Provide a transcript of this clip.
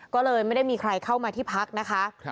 ก็เลยไม่ได้มีใครเข้ามาที่พักนะคะ